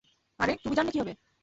আরে, তুমি জানলে কিভাবে?